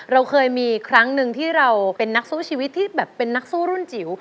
เราเคยมีครั้งหนึ่งที่เราเป็นนักสู้ชีวิตที่แบบเป็นนักสู้รุ่นจิ๋ว